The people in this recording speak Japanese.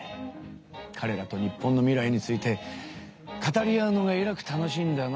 かれらと日本の未来について語り合うのがえらく楽しいんだな